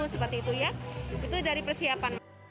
seperti itu ya itu dari persiapan